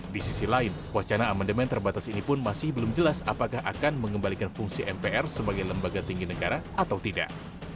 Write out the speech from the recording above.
di sisi lain wacana amandemen terbatas ini pun masih belum jelas apakah akan mengembalikan fungsi mpr sebagai lembaga tinggi negara atau tidak